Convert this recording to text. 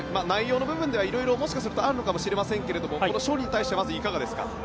内容の部分ではいろいろもしかするとあるのかもしれませんがこの勝利に対してまずいかがですか？